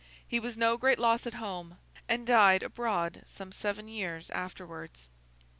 He was no great loss at home, and died abroad some seven years afterwards.